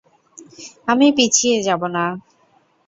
আমি পিছিয়ে যাবো না!